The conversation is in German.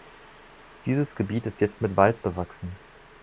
Dieses Gebiet ist jetzt mit Wald bewachsen.